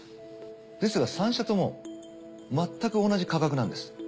ですが３社ともまったく同じ価格なんです。